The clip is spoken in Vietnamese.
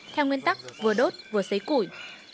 theo nguyên tắc vừa đốt vừa xấy củi